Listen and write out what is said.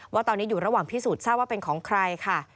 ว่าตอนนี้อยู่ระหว่างพิสูจนทราบว่าเป็นของใครค่ะ